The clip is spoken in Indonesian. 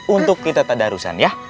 untuk kita tak ada arusan ya